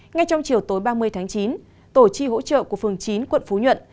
ngay trong chiều tối ba mươi tháng chín tổ chi hỗ trợ của phường chín quận phú nhuận